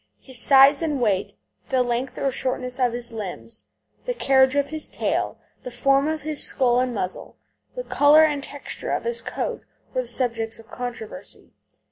His size and weight, the length or shortness of his limbs, the carriage of his tail, the form of his skull and muzzle, the colour and texture of his coat were the subjects of controversy.